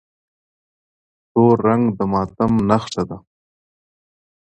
تور رنګ د ماتم نښه ده.